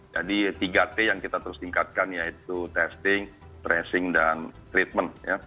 jadi tiga t yang kita terus tingkatkan yaitu testing tracing dan treatment